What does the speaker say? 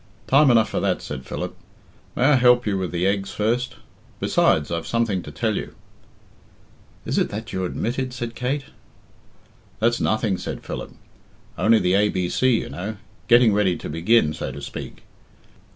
"Time enough for that," said Philip. "May I help you with the eggs first? Besides, I've something to tell you." "Is it that you're 'admitted?'" said Kate. "That's nothing," said Philip. "Only the A B C, you know. Getting ready to begin, so to speak."